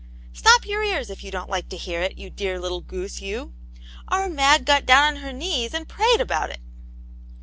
'* Stop your ears, if you don't like to hear it, you dear little goose, you ! Our Mag got down on her knees, and prayed about it